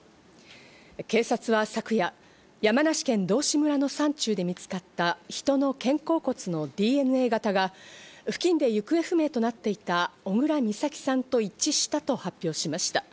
警察は昨夜、山梨県道志村の山中で見つかった人の肩甲骨のＤＮＡ型が付近で行方不明となっていた小倉美咲さんと一致したと発表しました。